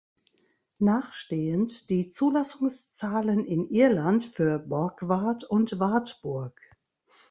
Nachstehend die Zulassungszahlen in Irland für Borgward und Wartburg.